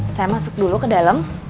saya masuk dulu ke dalam